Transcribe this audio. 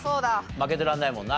負けてられないもんな。